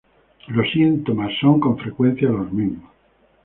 Los síntomas son con frecuencia los mismos.